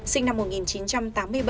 sinh năm một nghìn chín trăm tám mươi bảy